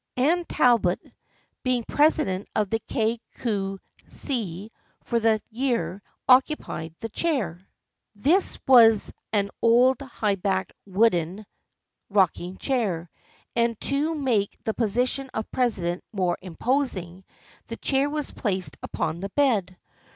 Anne Talbot, being president of the Kay Cue See for the year, occupied the chair. This was an old high backed wooden rocking chair, and to make the position of president more imposing, the chair was placed upon the bed.